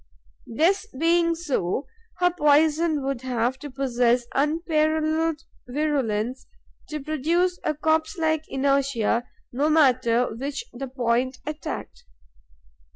This being so, her poison would have to possess unparalleled virulence to produce a corpse like inertia no matter which the point attacked.